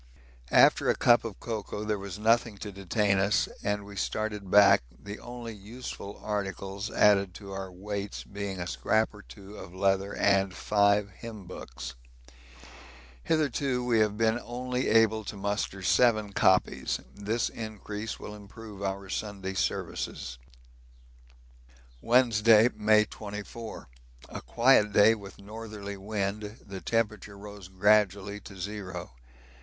After a cup of cocoa there was nothing to detain us, and we started back, the only useful articles added to our weights being a scrap or two of leather and five hymn books. Hitherto we have been only able to muster seven copies; this increase will improve our Sunday Services. Wednesday, May 24. A quiet day with northerly wind; the temperature rose gradually to zero.